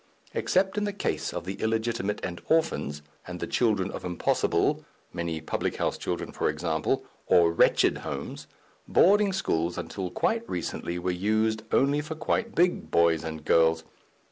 Except in the case of the illegitimate and orphans, and the children of impossible (many public house children, e.g.), or wretched homes, boarding schools until quite recently were used only for quite big boys and girls.